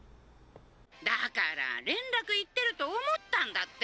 だから連絡いってると思ったんだって。